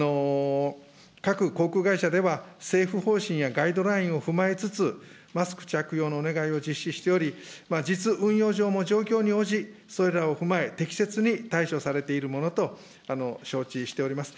各航空会社では、政府方針やガイドラインを踏まえつつ、マスク着用のお願いを実施しており、実運用上も状況に応じ、それらを踏まえ、適切に対処されているものと承知しております。